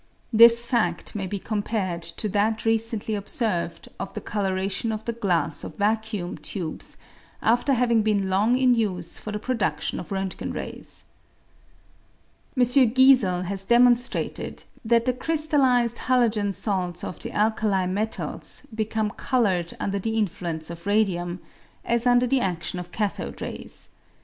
This facT: may be com pared to that recently observed of the colouration of the glass of vacuum tubes, after having been long in use for the produdion of Rnntgen rays. M. Giesel has demonstrated that the crystallised halogen salts of the alkali metals become coloured under the in fluence of radium, as under the adion of cathode rays.